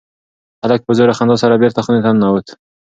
هلک په زوره خندا سره بېرته خونې ته ننوت.